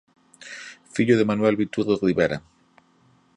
Fillo de Manuel Viturro Rivera.